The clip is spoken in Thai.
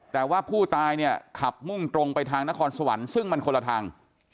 แต่ว่าผู้ตายเนี่ยขับมุ่งตรงไปทางนครสวรรค์ซึ่งมันคนละทาง